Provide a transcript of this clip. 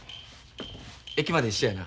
駅まで一緒やな。